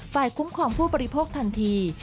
ฝ่ายคุ้มครองผู้บริโภคทันที